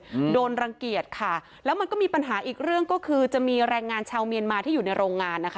อืมโดนรังเกียจค่ะแล้วมันก็มีปัญหาอีกเรื่องก็คือจะมีแรงงานชาวเมียนมาที่อยู่ในโรงงานนะคะ